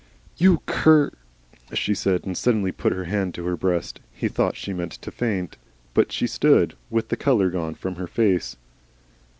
"You CUR," she said, and suddenly put her hand to her breast. He thought she meant to faint, but she stood, with the colour gone from her face.